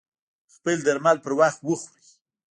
خپل درمل پر وخت وخوری